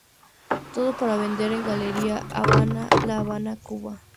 Todo para Vender", en Galería Habana, La Habana, Cuba.